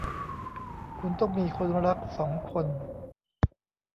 คุณต้องมีคนรักสองคน